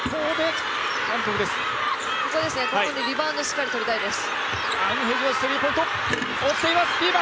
ここのリバウンドしっかりとりたいです。